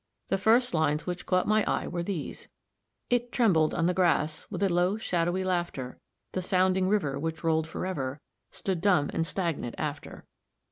The first lines which caught my eye were these: "It trembled on the grass With a low, shadowy laughter; The sounding river, which rolled forever, Stood dumb and stagnant after."